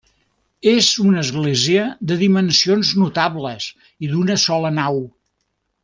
És una església de dimensions notables i d'una sola nau.